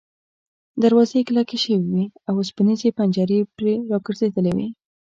دروازې یې کلکې شوې وې او اوسپنیزې پنجرې پرې را ګرځېدلې وې.